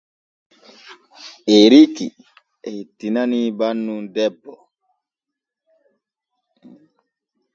Eriki e hettinanii bannun debbo.